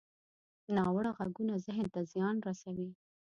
ناوړه غږونه ذهن ته زیان رسوي